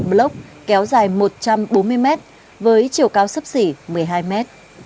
block kéo dài một trăm bốn mươi mét với chiều cao sấp xỉ một mươi hai mét